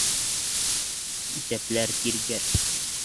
Иҫәпләр, тиргәр.